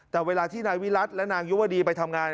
แต่เวลาที่นายวิรัติและนางยุวดีไปทำงาน